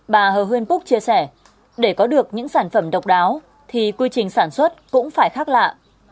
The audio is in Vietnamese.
bà hờ huyên phúc chia sẻ để có được những sản phẩm độc đáo thì quy trình sản xuất cũng phải khác lạ